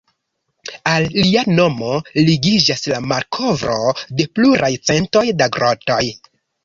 Al lia nomo ligiĝas la malkovro de pluraj centoj da grotoj.